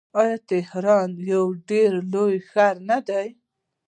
آیا تهران یو ډیر لوی ښار نه دی؟